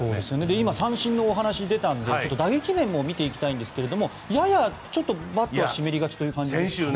今、三振のお話が出たので打撃面も見ていきたいんですがややバットは湿りがちという感じですね。